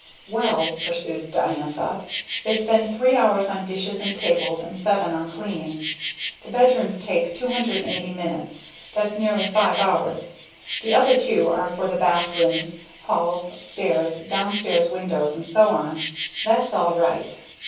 "Well," pursued Diantha, "they spend three hours on dishes and tables, and seven on cleaning. The bedrooms take 280 minutes; that's nearly five hours. The other two are for the bath rooms, halls, stairs, downstairs windows, and so on. That's all right.